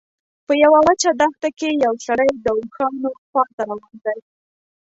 په یوه وچه دښته کې یو سړی د اوښانو خواته روان دی.